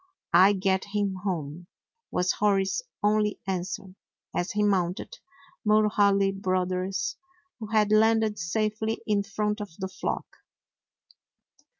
"I get him home," was Hori's only answer, as he mounted Mulhaly Brothers, who had landed safely in front of the flock.